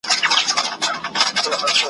پر چمن باندي له دریو خواوو ,